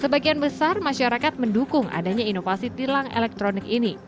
sebagian besar masyarakat mendukung adanya inovasi tilang elektronik ini